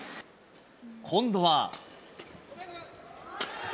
今度は。